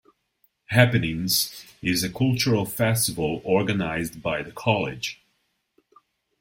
Happenings is the cultural festival organized by the college.